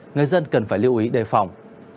người dân cần phải lưu ý đề phòng